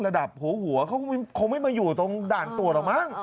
หัวหัวเขาคงไม่มาอยู่ตรงด่านตรวจหรอกมั้ง